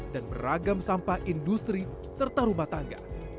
dan beragam sampah industri serta rumah tangga